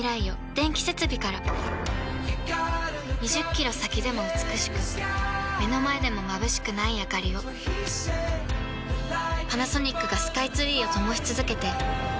２０キロ先でも美しく目の前でもまぶしくないあかりをパナソニックがスカイツリーを灯し続けて今年で１０年